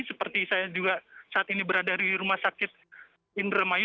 seperti saya juga saat ini berada di rumah sakit indramayu